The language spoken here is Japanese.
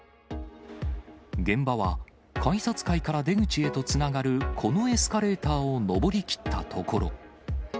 現場は改札階から出口へとつながるこのエスカレーターを上りきった所。